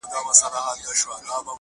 هر څه منم پر شخصيت باندي تېرى نه منم،